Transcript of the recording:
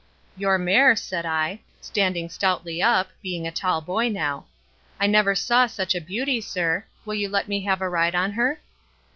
"Your mare," said I, standing stoutly up, being a tall boy now; "I never saw such a beauty, sir. Will you let me have a ride on her?"